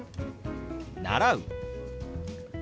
「習う」。